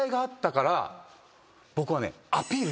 僕はね。